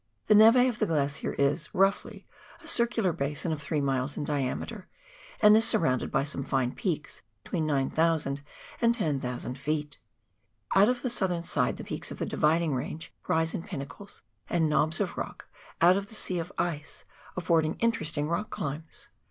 The neve of the glacier is, roughly, a circular basin of three miles in diameter, and is surrounded by some fine peaks between 9,000 and 10,000 ft. Out of the southern side the peaks of the Dividing Range rise in pinnacles, and knobs of rock out of a sea of ice, affording interesting rock climbs.